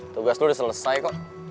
tugas lo udah selesai kok